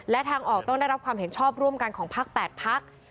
และทางออกต้องได้รับความเห็นชอบร่วมกันของพัก๘พัก